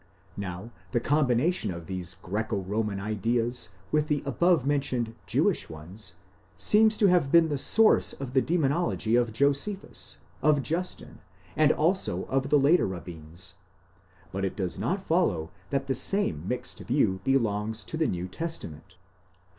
Now, the combination of these Greeco roman ideas with the above mentioned Jewish ones, seems to have been the source of the demonology of Josephus, of Justin, and also of the later rabbins ; but it does not follow that the same mixed view belongs to the New Testament.